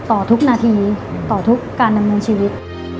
ต่อทุกนาทีต่อทุกการดำเนินชีวิต